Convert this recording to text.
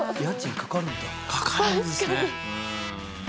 かかるんですねうん。